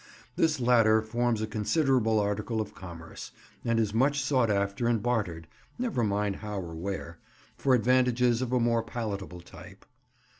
This latter forms a considerable article of commerce, and is much sought after and bartered (never mind how or where) for advantages of a more palatable type.